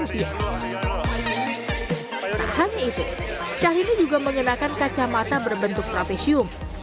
tak hanya itu syahrini juga menggunakan kacamata berbentuk trapezium